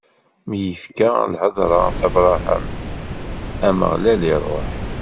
Mi yekfa lhedṛa d Abṛaham, Ameɣlal iṛuḥ.